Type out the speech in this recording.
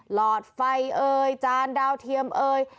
หลอดไฟเอ่ยจานดาวเทียมเอ่ย